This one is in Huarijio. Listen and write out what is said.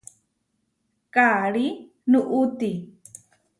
Karí nuʼúti.